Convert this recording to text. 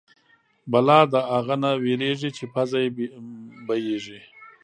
بلا د اغه نه وېرېږي چې پزه يې بيېږي.